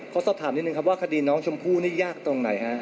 ขอสอบถามนิดนึงครับว่าคดีน้องชมพู่นี่ยากตรงไหนฮะ